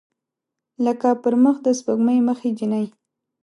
لکه پر مخ د سپوږمۍ مخې جینۍ